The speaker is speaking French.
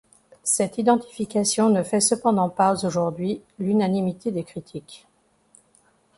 Cette identification ne fait cependant pas aujourd'hui l'unanimité des critiques.